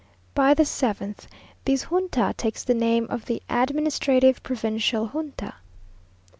By the seventh, this Junta takes the name of the Administrative Provincial Junta.